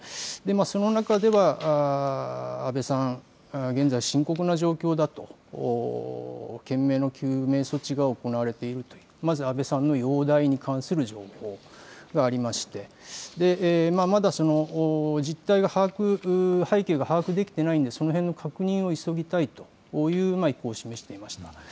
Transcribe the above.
その中では安倍さん、現在、深刻な状況だと、懸命な救命措置が行われているという安倍さんの容体に関する情報がありましてまだその実態が背景が、把握できていないのでその辺の確認を急ぎたいという意向を示していました。